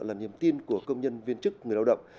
là niềm tin của công nhân viên chức người lao động